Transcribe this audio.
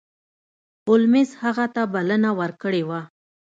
هولمز هغه ته بلنه ورکړې وه.